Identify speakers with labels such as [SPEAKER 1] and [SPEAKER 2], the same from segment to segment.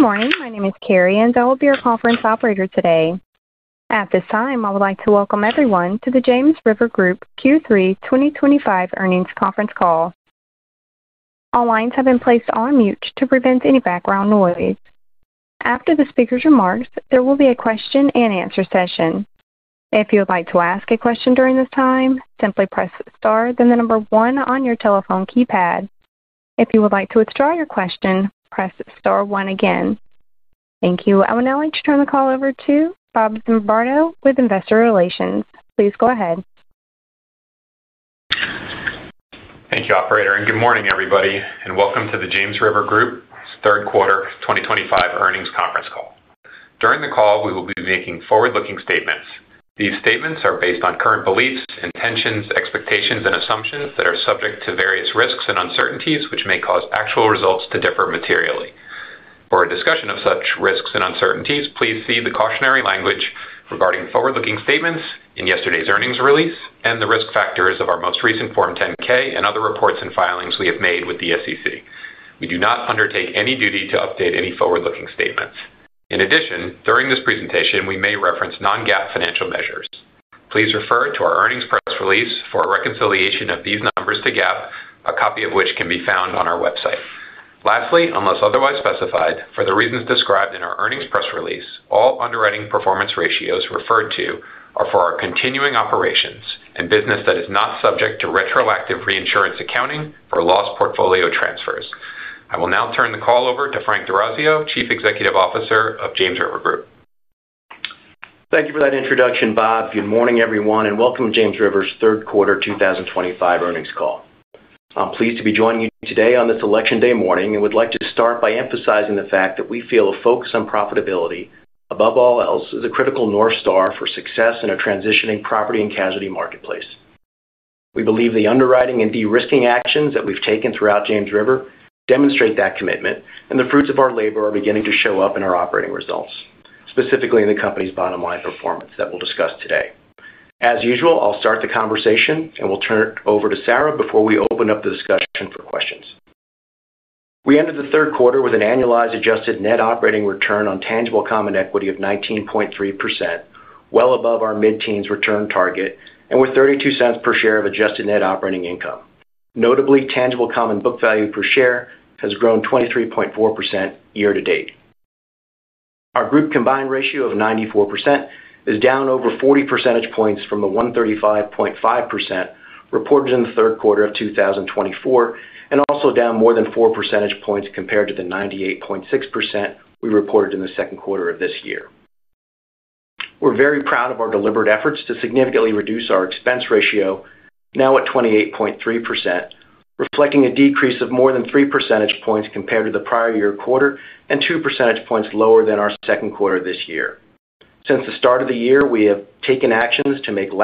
[SPEAKER 1] Good morning. My name is Carrie, and I will be your conference operator today. At this time, I would like to welcome everyone to the James River Group Q3 2025 earnings conference call. All lines have been placed on mute to prevent any background noise. After the speaker's remarks, there will be a question-and-answer session. If you would like to ask a question during this time, simply press star then the number one on your telephone keypad. If you would like to withdraw your question, press star one again. Thank you. I would now like to turn the call over to Bob Zimbardo with Investor Relations. Please go ahead.
[SPEAKER 2] Hey, operator, and good morning, everybody, and welcome to the James River Group's third quarter 2025 earnings conference call. During the call, we will be making forward-looking statements. These statements are based on current beliefs, intentions, expectations, and assumptions that are subject to various risks and uncertainties, which may cause actual results to differ materially. For a discussion of such risks and uncertainties, please see the cautionary language regarding forward-looking statements in yesterday's earnings release and the risk factors of our most recent Form 10-K and other reports and filings we have made with the SEC. We do not undertake any duty to update any forward-looking statements. In addition, during this presentation, we may reference non-GAAP financial measures. Please refer to our earnings press release for a reconciliation of these numbers to GAAP, a copy of which can be found on our website. Lastly, unless otherwise specified, for the reasons described in our earnings press release, all underwriting performance ratios referred to are for our continuing operations and business that is not subject to retroactive reinsurance accounting for loss portfolio transfers. I will now turn the call over to Frank D'Orazio, Chief Executive Officer of James River Group.
[SPEAKER 3] Thank you for that introduction, Bob. Good morning, everyone, and welcome to James River's third quarter 2025 earnings call. I'm pleased to be joining you today on this election day morning and would like to start by emphasizing the fact that we feel a focus on profitability, above all else, is a critical North Star for success in a transitioning property and casualty marketplace. We believe the underwriting and de-risking actions that we've taken throughout James River demonstrate that commitment, and the fruits of our labor are beginning to show up in our operating results, specifically in the company's bottom line performance that we'll discuss today. As usual, I'll start the conversation, and we'll turn it over to Sarah before we open up the discussion for questions. We ended the third quarter with an annualized adjusted net operating return on tangible common equity of 19.3%, well above our mid-teens return target, and with $0.32 per share of adjusted net operating income. Notably, tangible common book value per share has grown 23.4% year to date. Our group combined ratio of 94% is down over 40 percentage points from the 135.5% reported in the third quarter of 2024, and also down more than 4 percentage points compared to the 98.6% we reported in the second quarter of this year. We're very proud of our deliberate efforts to significantly reduce our expense ratio, now at 28.3%, reflecting a decrease of more than 3 percentage points compared to the prior year quarter and 2 percentage points lower than our second quarter this year. Since the start of the year, we have taken actions to makmes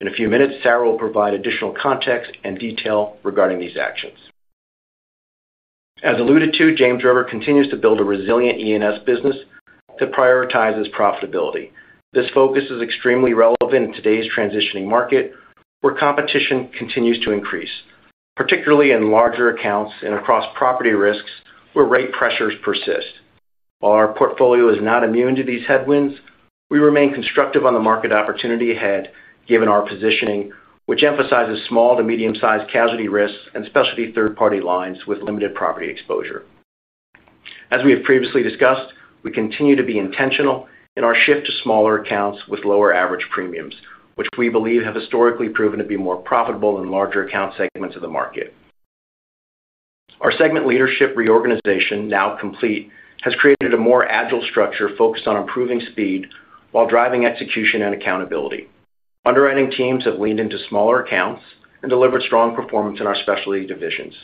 [SPEAKER 3] River continues to build a resilient E&S business to prioritize its profitability. This focus is extremely relevant in today's transitioning market, where competition continues to increase, particularly in larger accounts and across property risks, where rate pressures persist. While our portfolio is not immune to these headwinds, we remain constructive on the market opportunity ahead, given our positioning, which emphasizes small to medium-sized casualty risks and specialty third-party lines with limited property exposure. As we have previously discussed, we continue to be intentional in our shift to smaller accounts with lower average premiums, which we believe have historically proven to be more profitable in larger account segments of the market. Our segment leadership reorganization, now complete, has created a more agile structure focused on improving speed while driving execution and accountability. Underwriting teams have leaned into smaller accounts and delivered strong performance in our specialty divisions.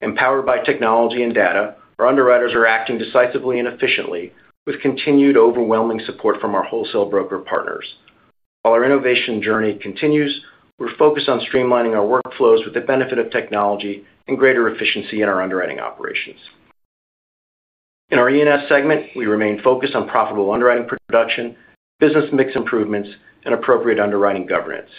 [SPEAKER 3] Empowered by technology and data, our underwriters are acting decisively and efficiently, with continued overwhelming support from our wholesale broker partners. While our innovation journey continues, we're focused on streamlining our workflows with the benefit of technology and greater efficiency in our underwriting operations. In our E&S segment, we remain focused on profitable underwriting production, business mix improvements, and appropriate underwriting governance.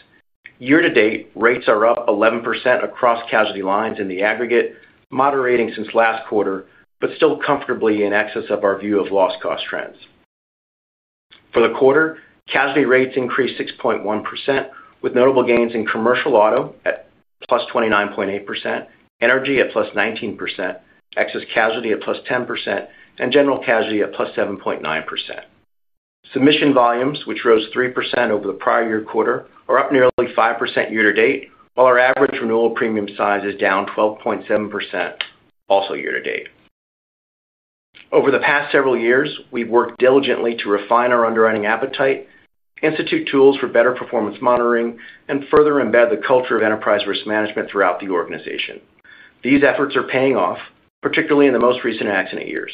[SPEAKER 3] Year to date, rates are up 11% across casualty lines in the aggregate, moderating since last quarter, but still comfortably in excess of our view of loss cost trends. For the quarter, casualty rates increased 6.1%, with notable gains in commercial auto at plus 29.8%, energy at plus 19%, excess casualty at plus 10%, and general casualty at plus 7.9%. Submission volumes, which rose 3% over the prior year quarter, are up nearly 5% year to date, while our average renewal premium size is down 12.7%, also year to date. Over the past several years, we've worked diligently to refine our underwriting appetite, institute tools for better performance monitoring, and further embed the culture of enterprise risk management throughout the organization. These efforts are paying off, particularly in the most recent accident years.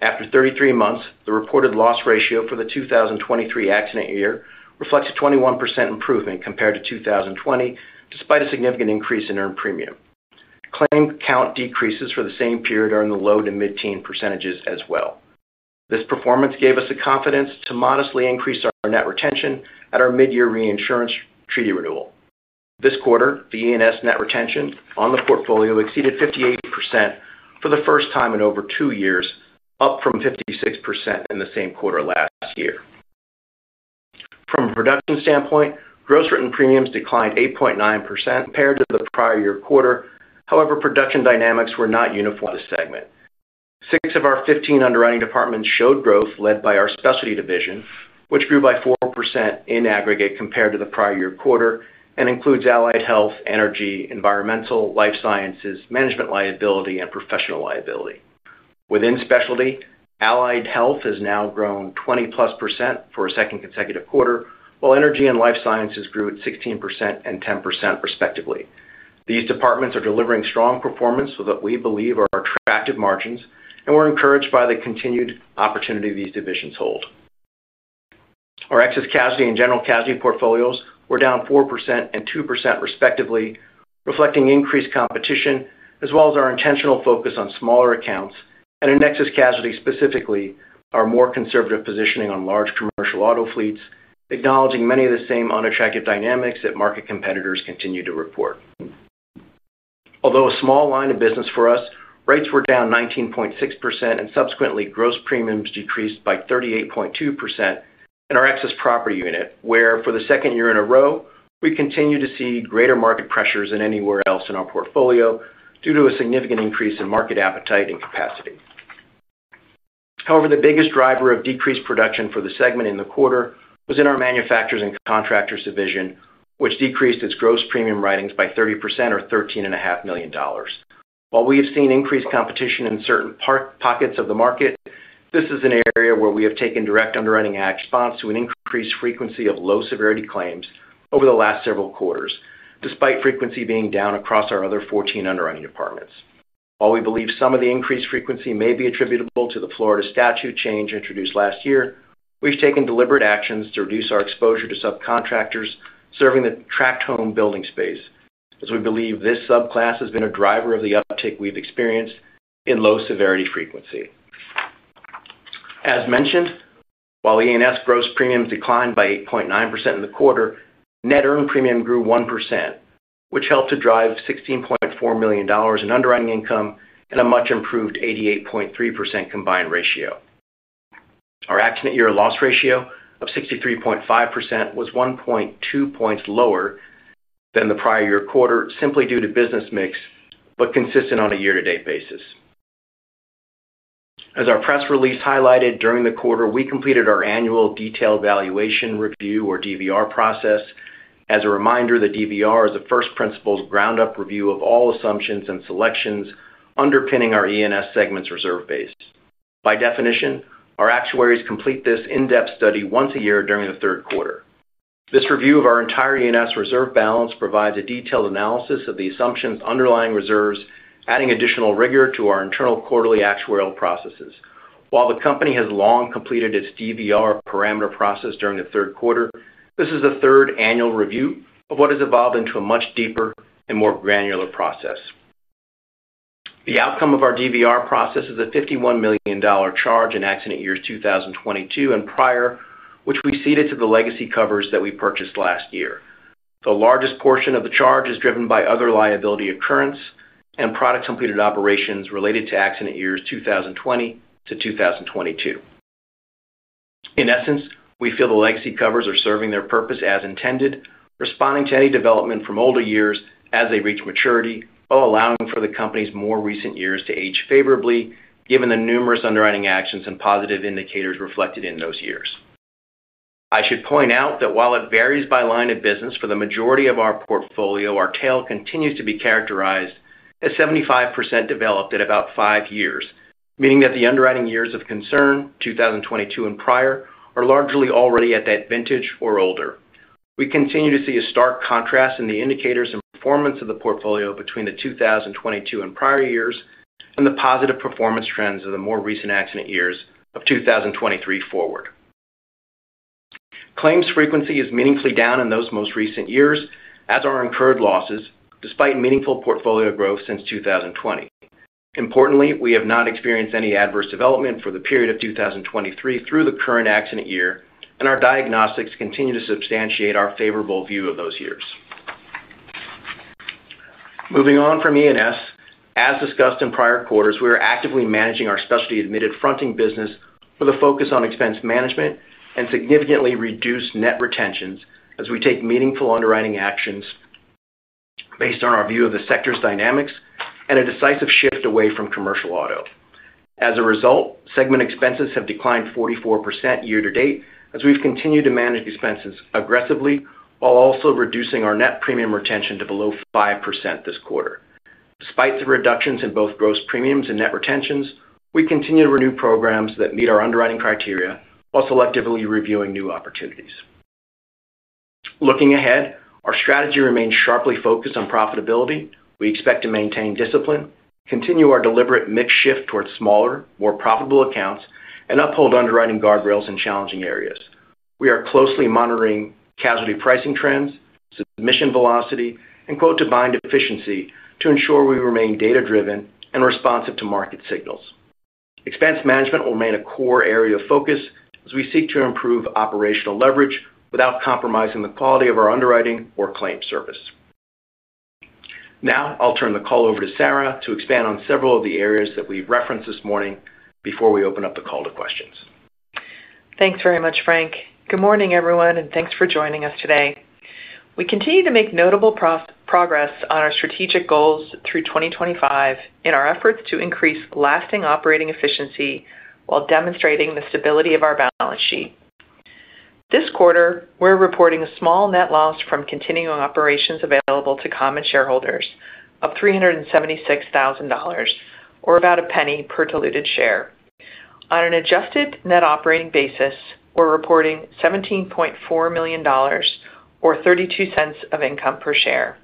[SPEAKER 3] After 33 months, the reported loss ratio for the 2023 accident year reflects a 21% improvement compared to 2020, despite a significant increase in earned premium. Claim count decreases for the same period are in the low to mid-teen percentages as well. This performance gave us the confidence to modestly increase our net retention at our mid-year reinsurance treaty renewal. This quarter, the E&S net retention on the portfolio exceeded 58% for the first time in over two years, up from 56% in the same quarter last year. From a production standpoint, gross written premiums declined 8.9% compared to the prior year quarter. However, production dynamics were not uniform in this segment. Six of our 15 underwriting departments showed growth led by our specialty division, which grew by 4% in aggregate compared to the prior year quarter and includes Allied health, energy, environmental, Life sciences, management liability, and professional liability. Within specialty, Allied health has now grown 20+% for a second consecutive quarter, while energy and Life sciences grew at 16% and 10% respectively. These departments are delivering strong performance that we believe are attractive margins, and we're encouraged by the continued opportunity these divisions hold. Our excess casualty and general casualty portfolios were down 4% and 2% respectively, reflecting increased competition, as well as our intentional focus on smaller accounts, and in excess casualty specifically, our more conservative positioning on large commercial auto fleets, acknowledging many of the same unattractive dynamics that market competitors continue to report. Although a small line of business for us, rates were down 19.6% and subsequently gross premiums decreased by 38.2% in our excess property unit, where for the second year in a row, we continue to see greater market pressures than anywhere else in our portfolio due to a significant increase in market appetite and capacity. However, the biggest driver of decreased production for the segment in the quarter was in our manufacturers and contractors division, which decreased its gross written premiums by 30%, or $13.5 million. While we have seen increased competition in certain pockets of the market, this is an area where we have taken direct underwriting action in response to an increased frequency of low severity claims over the last several quarters, despite frequency being down across our other 14 underwriting departments. While we believe some of the increased frequency may be attributable to the Florida statute change introduced last year, we've taken deliberate actions to reduce our exposure to subcontractors serving the tract home building space, as we believe this subclass has been a driver of the uptick we've experienced in low severity frequency. As mentioned, while E&S gross written premiums declined by 8.9% in the quarter, net earned premium grew 1%, which helped to drive $16.4 million in underwriting income and a much improved 88.3% combined ratio. Our accident year loss ratio of 63.5% was 1.2 points lower than the prior year quarter, simply due to business mix, but consistent on a year-to-date basis. As our press release highlighted, during the quarter, we completed our annual detailed valuation review, or DVR, process. As a reminder, the DVR is a first principles ground-up review of all assumptions and selections underpinning our E&S segment's reserve base. By definition, our actuaries complete this in-depth study once a year during the third quarter. This review of our entire E&S reserve balance provides a detailed analysis of the assumptions underlying reserves, adding additional rigor to our internal quarterly actuarial processes. While the company has long completed its DVR parameter process during the third quarter, this is the third annual review of what has evolved into a much deeper and more granular process. The outcome of our DVR process is a $51 million charge in accident years 2022 and prior, which we ceded to the legacy covers that we purchased last year. The largest portion of the charge is driven by other liability occurrence and product-completed operations related to accident years 2020 to 2022. In essence, we feel the legacy covers are serving their purpose as intended, responding to any development from older years as they reach maturity, while allowing for the company's more recent years to age favorably, given the numerous underwriting actions and positive indicators reflected in those years. I should point out that while it varies by line of business, for the majority of our portfolio, our tail continues to be characterized as 75% developed at about five years, meaning that the underwriting years of concern, 2022 and prior, are largely already at that vintage or older. We continue to see a stark contrast in the indicators and performance of the portfolio between the 2022 and prior years and the positive performance trends of the more recent accident years of 2023 forward. Claims frequency is meaningfully down in those most recent years, as are incurred losses, despite meaningful portfolio growth since 2020. Importantly, we have not experienced any adverse development for the period of 2023 through the current accident year, and our diagnostics continue to substantiate our favorable view of those years. Moving on from E&S, as discussed in prior quarters, we are actively managing our specialty admitted fronting business with a focus on expense management and significantly reduced net retentions as we take meaningful underwriting actions based on our view of the sector's dynamics and a decisive shift away from commercial auto. As a result, segment expenses have declined 44% year to date as we've continued to manage expenses aggressively, while also reducing our net premium retention to below 5% this quarter. Despite the reductions in both gross premiums and net retentions, we continue to renew programs that meet our underwriting criteria while selectively reviewing new opportunities. Looking ahead, our strategy remains sharply focused on profitability. We expect to maintain discipline, continue our deliberate mix shift towards smaller, more profitable accounts, and uphold underwriting guardrails in challenging areas. We are closely monitoring casualty pricing trends, submission velocity, and quote-to-bind efficiency to ensure we remain data-driven and responsive to market signals. Expense management will remain a core area of focus as we seek to improve operational leverage without compromising the quality of our underwriting or claim service. Now, I'll turn the call over to Sarah to expand on several of the areas that we've referenced this morning before we open up the call to questions.
[SPEAKER 4] Thanks very much, Frank. Good morning, everyone, and thanks for joining us today. We continue to make notable progress on our strategic goals through 2025 in our efforts to increase lasting operating efficiency while demonstrating the stability of our balance sheet. This quarter, we're reporting a small net loss from continuing operations available to common shareholders of $376,000, or about -$0.01 per diluted share. On an adjusted net operating basis, we're reporting $17.4 million, or $0.32 of income per share.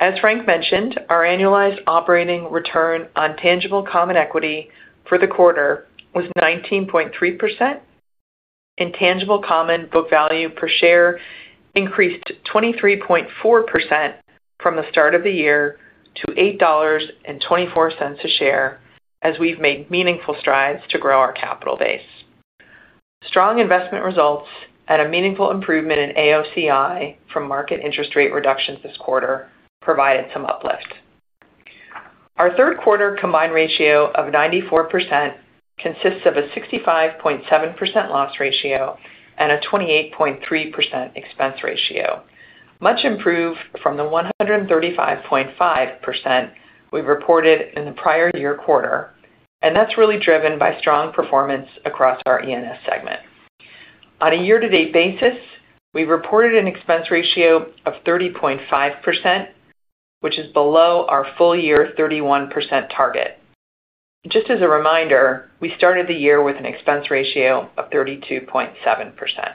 [SPEAKER 4] As Frank mentioned, our annualized operating return on tangible common equity for the quarter was 19.3%, and tangible common book value per share increased 23.4% from the start of the year to $8.24 a share, as we've made meaningful strides to grow our capital base. Strong investment results and a meaningful improvement in AOCI from market interest rate reductions this quarter provided some uplift. Our third quarter combined ratio of 94% consists of a 65.7% loss ratio and a 28.3% expense ratio, much improved from the 135.5% we reported in the prior year quarter, and that's really driven by strong performance across our E&S segment. On a year-to-date basis, we reported an expense ratio of 30.5%, which is below our full year 31% target. Just as a reminder, we started the year with an expense ratio of 32.7%.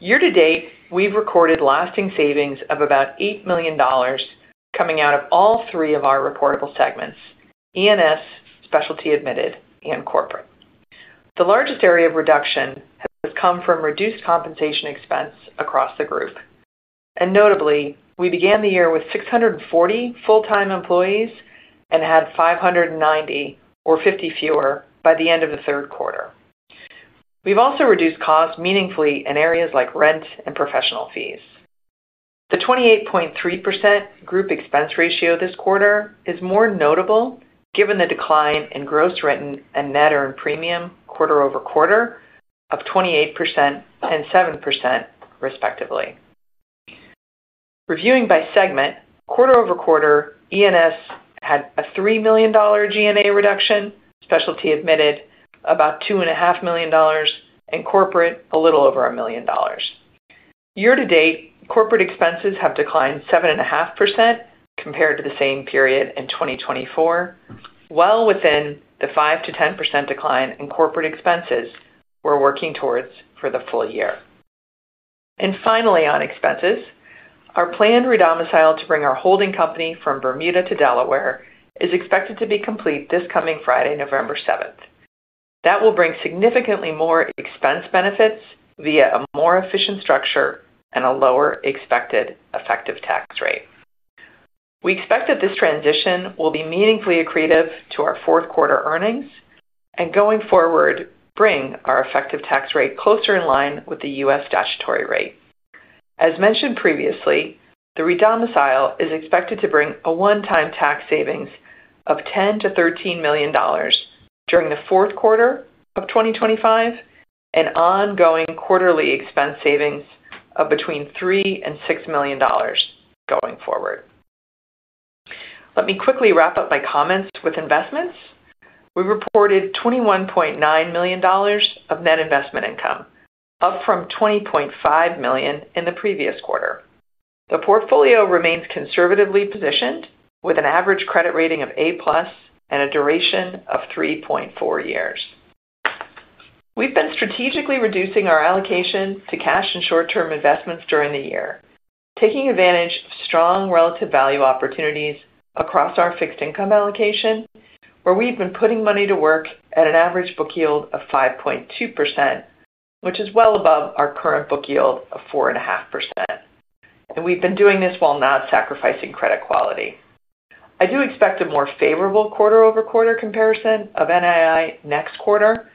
[SPEAKER 4] Year to date, we've recorded lasting savings of about $8 million. Coming out of all three of our reportable segments, E&S, specialty admitted, and corporate. The largest area of reduction has come from reduced compensation expense across the group. And notably, we began the year with 640 full-time employees and had 590, or 50 fewer, by the end of the third quarter. We've also reduced costs meaningfully in areas like rent and professional fees. The 28.3% group expense ratio this quarter is more notable given the decline in gross written premium and net earned premium quarter over quarter of 28% and 7%, respectively. Reviewing by segment, quarter over quarter, E&S had a $3 million G&A reduction, specialty admitted about $2.5 million, and corporate a little over a million dollars. Year to date, corporate expenses have declined 7.5% compared to the same period in 2024. Well within the 5%-10% decline in corporate expenses we're working towards for the full year. And finally, on expenses, our planned redomicile to bring our holding company from Bermuda to Delaware is expected to be complete this coming Friday, November 7th. That will bring significantly more expense benefits via a more efficient structure and a lower expected effective tax rate. We expect that this transition will be meaningfully accretive to our fourth quarter earnings and going forward bring our effective tax rate closer in line with the U.S. statutory rate. As mentioned previously, the redomicile is expected to bring a one-time tax savings of $10 million-$13 million during the fourth quarter of 2025 and ongoing quarterly expense savings of between $3 million and $6 million going forward. Let me quickly wrap up my comments with investments. We reported $21.9 million of net investment income, up from $20.5 million in the previous quarter. The portfolio remains conservatively positioned with an average credit rating of A-plus and a duration of 3.4 years. We've been strategically reducing our allocation to cash and short-term investments during the year, taking advantage of strong relative value opportunities across our fixed income allocation, where we've been putting money to work at an average book yield of 5.2%, which is well above our current book yield of 4.5%. And we've been doing this while not sacrificing credit quality. I do expect a more favorable quarter-over-quarter comparison of NII next quarter,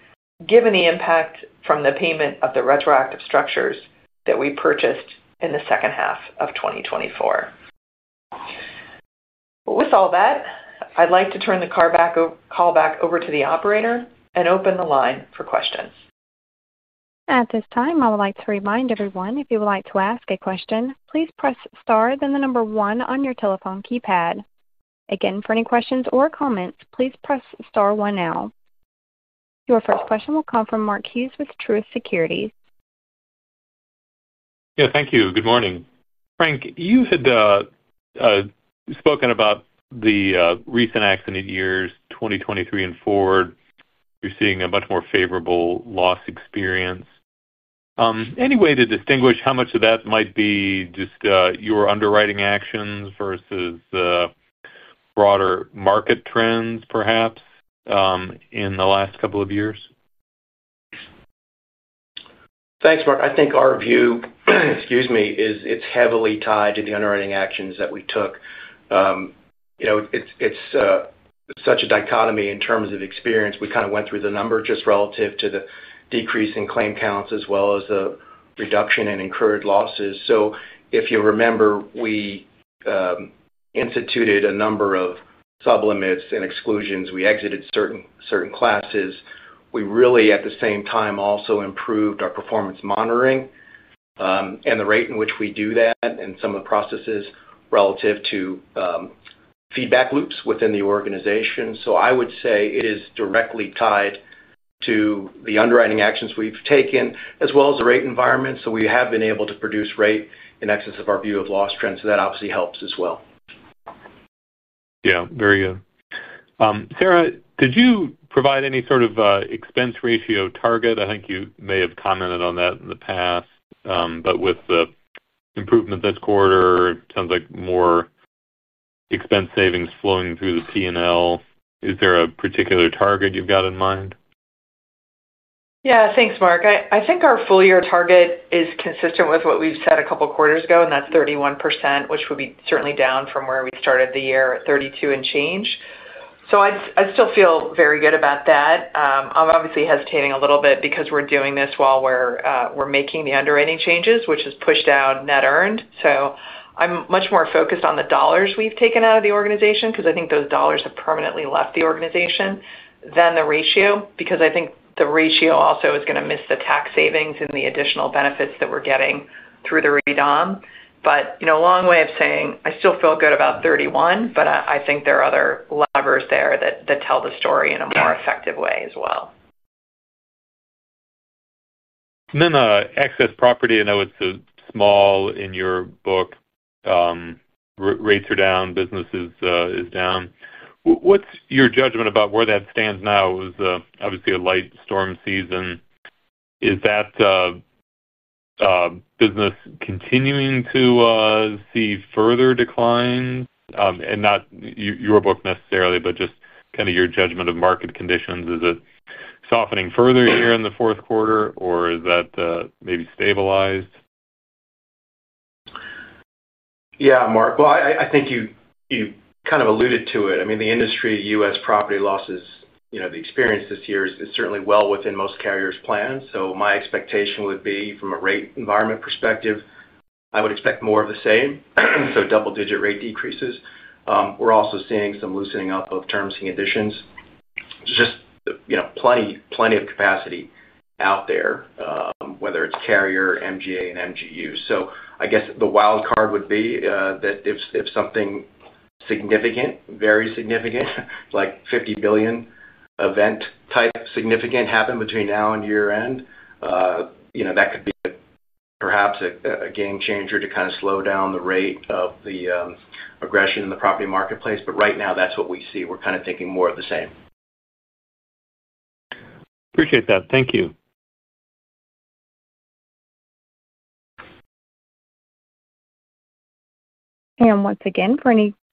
[SPEAKER 4] given the impact from the payment of the retroactive structures that we purchased in the second half of 2024. With all that, I'd like to turn the call back over to the operator and open the line for questions.
[SPEAKER 1] At this time, I would like to remind everyone, if you would like to ask a question, please press star then the number one on your telephone keypad. Again, for any questions or comments, please press star one now. Your first question will come from Mark Hughes with Truist Securities.
[SPEAKER 5] Yeah, thank you. Good morning. Frank, you had spoken about the recent accident years, 2023 and forward, you're seeing a much more favorable loss experience. Any way to distinguish how much of that might be just your underwriting actions versus the broader market trends, perhaps, in the last couple of years?
[SPEAKER 3] Thanks, Mark. I think our view, excuse me, is it's heavily tied to the underwriting actions that we took. It's such a dichotomy in terms of experience. We kind of went through the number just relative to the decrease in claim counts as well as the reduction in incurred losses. So if you remember, we instituted a number of sublimits and exclusions. We exited certain classes. We really, at the same time, also improved our performance monitoring. And the rate in which we do that and some of the processes relative to feedback loops within the organization. So I would say it is directly tied to the underwriting actions we've taken, as well as the rate environment. So we have been able to produce rate in excess of our view of loss trends. So that obviously helps as well.
[SPEAKER 5] Yeah, very good. Sarah, could you provide any sort of expense ratio target? I think you may have commented on that in the past. But with the improvement this quarter, it sounds like more expense savings flowing through the P&L. Is there a particular target you've got in mind?
[SPEAKER 4] Yeah, thanks, Mark. I think our full year target is consistent with what we've said a couple of quarters ago, and that's 31%, which would be certainly down from where we started the year at 32 and change. So I still feel very good about that. I'm obviously hesitating a little bit because we're doing this while we're making the underwriting changes, which has pushed down net earned. So I'm much more focused on the dollars we've taken out of the organization because I think those dollars have permanently left the organization than the ratio, because I think the ratio also is going to miss the tax savings and the additional benefits that we're getting through the redom. But a long way of saying, I still feel good about 31, but I think there are other levers there that tell the story in a more effective way as well.
[SPEAKER 5] And then excess property, I know it's small in your book. Rates are down, business is down. What's your judgment about where that stands now? It was obviously a light storm season. Is that business continuing to see further decline? And not your book necessarily, but just kind of your judgment of market conditions. Is it softening further here in the fourth quarter, or is that maybe stabilized?
[SPEAKER 3] Yeah, Mark. Well, I think you kind of alluded to it. I mean, the industry, U.S. property losses, the experience this year is certainly well within most carriers' plans. So my expectation would be, from a rate environment perspective, I would expect more of the same, so double-digit rate decreases. We're also seeing some loosening in both terms and conditions. Just plenty of capacity out there, whether it's carrier, MGA, and MGU. So I guess the wild card would be that if something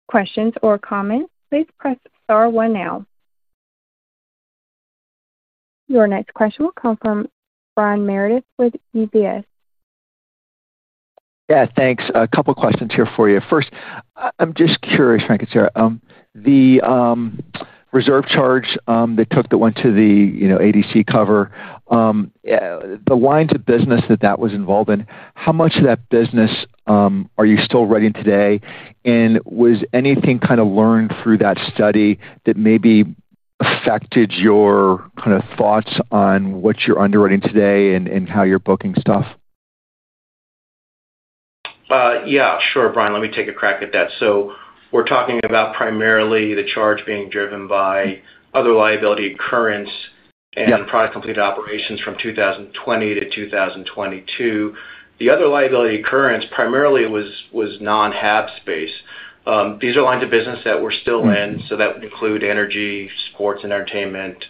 [SPEAKER 1] questions or comments, please press Star one now. Your next question will come from Brian Meredith with UBS.
[SPEAKER 6] Yeah, thanks. A couple of questions here for you. First, I'm just curious, Frank and Sarah, the reserve charge they took, that went to the ADC cover. The lines of business that that was involved in, how much of that business are you still writing today? And was anything kind of learned through that study that maybe affected your kind of thoughts on what you're underwriting today and how you're booking stuff?
[SPEAKER 3] Yeah, sure, Brian. Let me take a crack at that. So we're talking about primarily the charge being driven by other liability occurrence and product-completed operations from 2020 to 2022. The other liability occurrence primarily was non-HAB space. These are lines of business that we're still in, so that would include energy, sports, entertainment.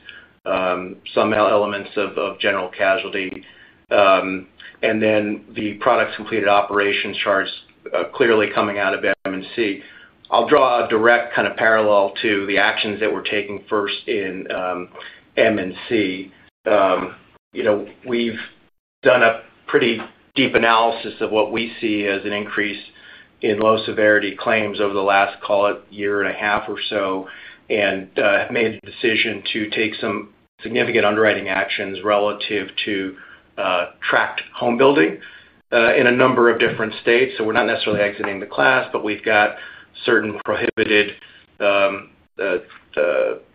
[SPEAKER 3] Some elements of general casualty. And then the product-completed operations charge clearly coming out of M&C. I'll draw a direct kind of parallel to the actions that we're taking first in M&C. We've done a pretty deep analysis of what we see as an increase in low severity claims over the last, call it, year and a half or so, and made a decision to take some significant underwriting actions relative to tract home building in a number of different states. So we're not necessarily exiting the class, but we've got certain prohibited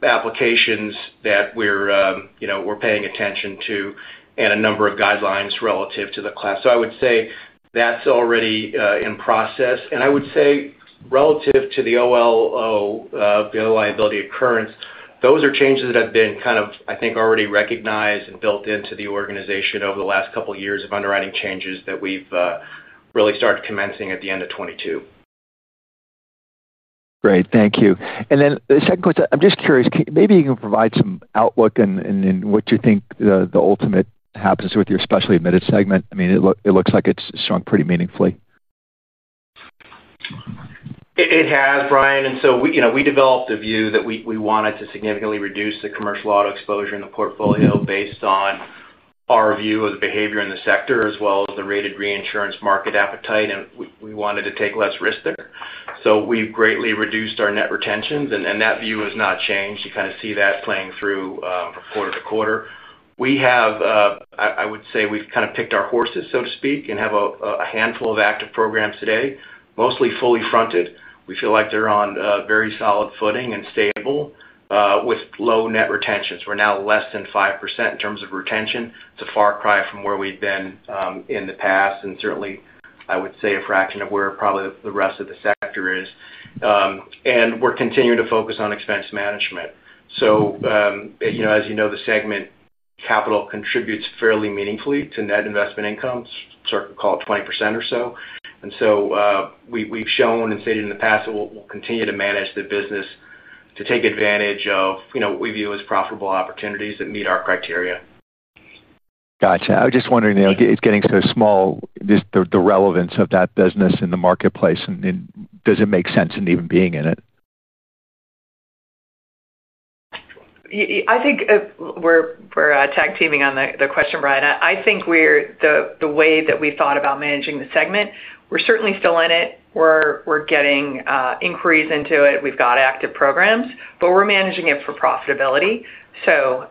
[SPEAKER 3] applications that we're paying attention to and a number of guidelines relative to the class. So I would say that's already in process. And I would say relative to the OLO, the other liability occurrence, those are changes that have been kind of, I think, already recognized and built into the organization over the last couple of years of underwriting changes that we've really started commencing at the end of 2022.
[SPEAKER 6] Great. Thank you. And then the second question, I'm just curious, maybe you can provide some outlook on what you think the ultimate happens with your specialty admitted segment. I mean, it looks like it's shrunk pretty meaningfully.
[SPEAKER 3] It has, Brian. And so we developed a view that we wanted to significantly reduce the commercial auto exposure in the portfolio based on our view of the behavior in the sector as well as the rated reinsurance market appetite. And we wanted to take less risk there. So we've greatly reduced our net retentions. And that view has not changed. You kind of see that playing through from quarter to quarter. We have, I would say, we've kind of picked our horses, so to speak, and have a handful of active programs today, mostly fully fronted. We feel like they're on very solid footing and stable. With low net retentions. We're now less than 5% in terms of retention. It's a far cry from where we've been in the past. And certainly, I would say a fraction of where probably the rest of the sector is. And we're continuing to focus on expense management. So. As you know, the segment capital contributes fairly meaningfully to net investment incomes, we'll call it 20% or so. And so. We've shown and stated in the past that we'll continue to manage the business to take advantage of what we view as profitable opportunities that meet our criteria.
[SPEAKER 6] Gotcha. I was just wondering, it's getting so small, just the relevance of that business in the marketplace. And does it make sense in even being in it?
[SPEAKER 4] I think we're tag-teaming on the question, Brian. I think the way that we thought about managing the segment, we're certainly still in it. We're getting inquiries into it. We've got active programs, but we're managing it for profitability. So.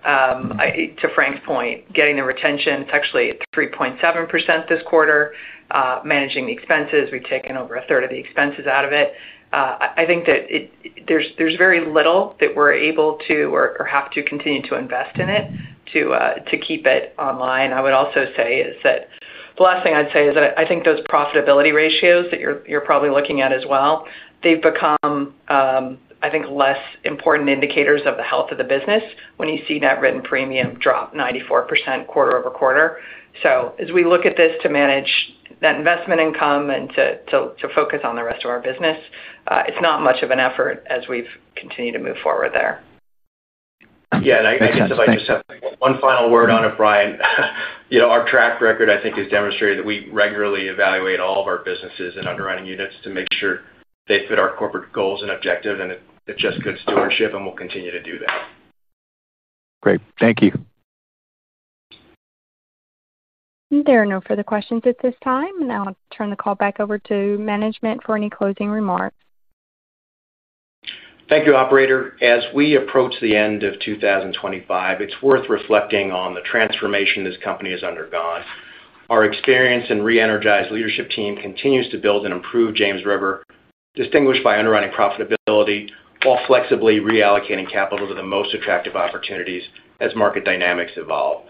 [SPEAKER 4] To Frank's point, getting the retention, it's actually 3.7% this quarter. Managing the expenses, we've taken over a third of the expenses out of it. I think that. There's very little that we're able to or have to continue to invest in it to keep it online. I would also say is that the last thing I'd say is that I think those profitability ratios that you're probably looking at as well, they've become, I think, less important indicators of the health of the business when you see net written premium drop 94% quarter over quarter. So as we look at this to manage that investment income and to focus on the rest of our business, it's not much of an effort as we've continued to move forward there.
[SPEAKER 3] Yeah. And I guess if I just have one final word on it, Brian. Our track record, I think, is demonstrated that we regularly evaluate all of our businesses and underwriting units to make sure they fit our corporate goals and objectives. And it's just good stewardship, and we'll continue to do that.
[SPEAKER 6] Great. Thank you.
[SPEAKER 1] There are no further questions at this time. Now I'll turn the call back over to management for any closing remarks.
[SPEAKER 3] Thank you, operator. As we approach the end of 2025, it's worth reflecting on the transformation this company has undergone. Our experience and re-energized leadership team continues to build and improve James River, distinguished by underwriting profitability, while flexibly reallocating capital to the most attractive opportunities as market dynamics evolve.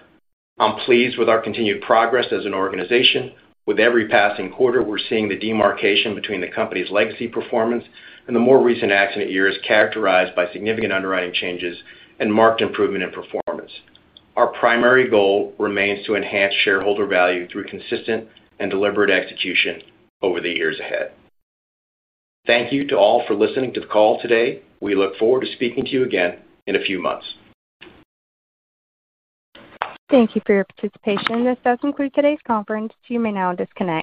[SPEAKER 3] I'm pleased with our continued progress as an organization. With every passing quarter, we're seeing the demarcation between the company's legacy performance and the more recent accident years characterized by significant underwriting changes and marked improvement in performance. Our primary goal remains to enhance shareholder value through consistent and deliberate execution over the years ahead. Thank you to all for listening to the call today. We look forward to speaking to you again in a few months.
[SPEAKER 1] Thank you for your participation. This does conclude today's conference. You may now disconnect.